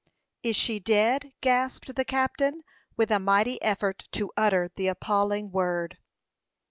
"Is she dead?" gasped the captain, with a mighty effort to utter the appalling word.